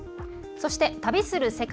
そして、「旅する世界」。